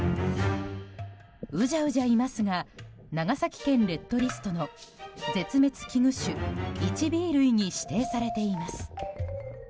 うじゃうじゃいますが長崎県レッドリストの絶滅危惧種１Ｂ類に指定されています。